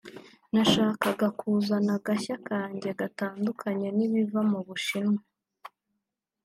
nashakaga kuzana agashya kanjye gatandukanye n’ibiva mu Bushinwa